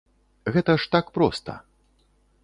Гэта ж так проста.